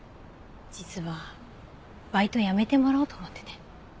実はバイト辞めてもらおうと思ってて。